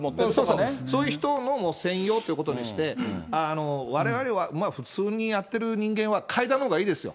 そうそう、そういう人のもう専用ということにして、われわれは普通にやってる人間は階段のほうがいいですよ。